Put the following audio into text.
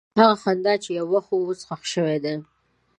هغه خندا چې یو وخت وه، اوس ښخ شوې ده.